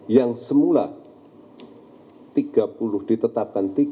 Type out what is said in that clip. yang semula tiga puluh ditetapkan tiga puluh dua ratus tujuh belas metrik ton